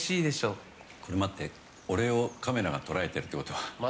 待って、俺をカメラが捉えてるってことは。